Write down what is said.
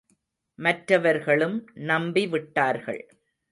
மற்றவர்களும் நம்பி விட்டார்கள்.